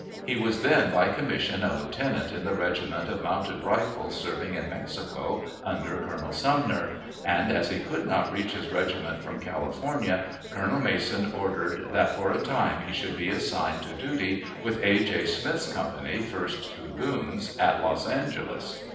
He was then by commission a lieutenant in the regiment of Mounted Rifles serving in Mexico under Colonel Sumner, and, as he could not reach his regiment from California, Colonel Mason ordered that for a time he should be assigned to duty with A. J. Smith's company, First Dragoons, at Los Angeles.